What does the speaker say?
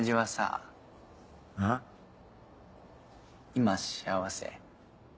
今幸せ？